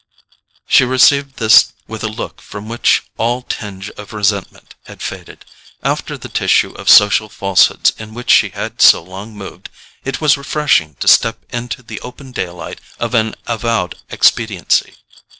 She received this with a look from which all tinge of resentment had faded. After the tissue of social falsehoods in which she had so long moved it was refreshing to step into the open daylight of an avowed expediency.